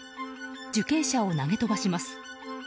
受刑者を投げ飛ばします。